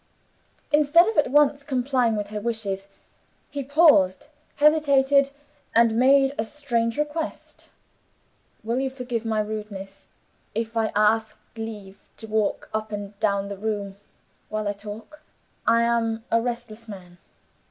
Instead of at once complying with her wishes, he paused hesitated and made a strange request. "Will you forgive my rudeness, if I ask leave to walk up and down the room while I talk? I am a restless man.